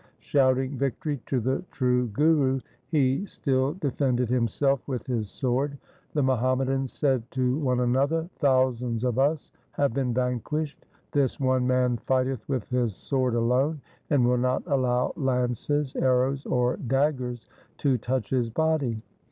Shouting victory to the true Guru, he still defended himself with his sword. The Muhammadans said to one another, ' Thousands of us have been vanquished. This one man fighteth with his sword alone, and will not allow lances, arrows, or daggers to touch his body.